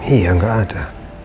iya gak ada